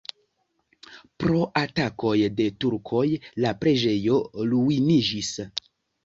Pro atakoj de turkoj la preĝejo ruiniĝis.